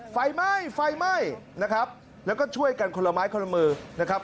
ไฟไหม้ไฟไหม้นะครับแล้วก็ช่วยกันคนละไม้คนละมือนะครับ